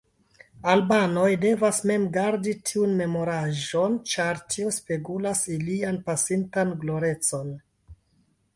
Albanoj devas mem gardi tiun memorigaĵon, ĉar tio spegulas ilian pasintan glorecon.